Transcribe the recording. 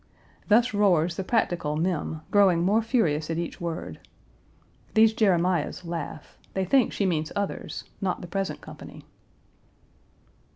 Thus roars the practical Mem, growing more furious at each word. These Jeremiahs laugh. They think she means others, not the present company.